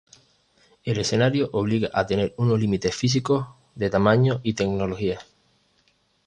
El escenario obliga a tener unos límites físicos de tamaño y tecnología.